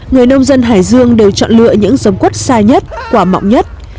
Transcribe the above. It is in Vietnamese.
những dân hải dương đều chọn lựa những dầm quất xa nhất quả mọng nhất